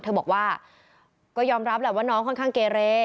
เธอบอกว่าก็ยอมรับแหละว่าน้องค่อนข้างเกเร